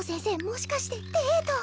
もしかしてデート？